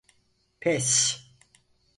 Pes…